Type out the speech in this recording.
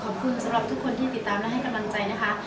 ขอบคุณสำหรับทุกคนที่ติดตามล่ะใช่มั่งใจนะคะ